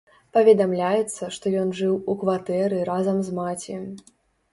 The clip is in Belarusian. Паведамляецца, што ён жыў у кватэры разам з маці.